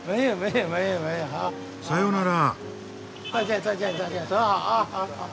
さよなら。